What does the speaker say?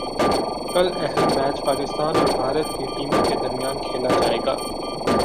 کل اہم میچ پاکستان اور بھارت کی ٹیموں کے درمیان کھیلا جائے گا